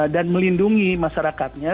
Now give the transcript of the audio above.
dan melindungi masyarakatnya